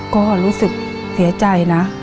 ก็รู้สึกเสียใจนะ